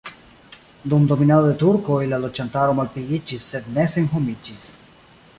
Dum dominado de turkoj la loĝantaro malpliiĝis sed ne senhomiĝis.